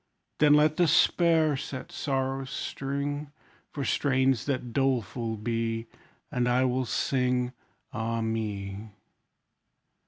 Then let despair set sorrow's string, For strains that doleful be; And I will sing, Ah me!